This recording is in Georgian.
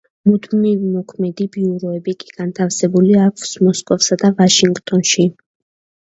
მუდმივმოქმედი ბიუროები კი განთავსებული აქვს მოსკოვსა და ვაშინგტონში.